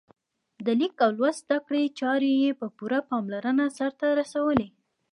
د لیک او لوست زده کړې چارې یې په پوره پاملرنه سرته رسولې.